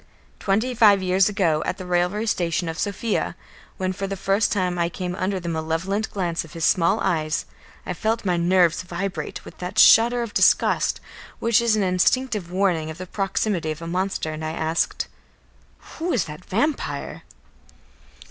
Twenty five years ago, at the railway station of Sofia, when for the first time I came under the malevolent glance of his small eyes, I felt my nerves vibrate with that shudder of disgust which is an instinctive warning of the proximity of a monster, and I asked: "Who is that vampire?"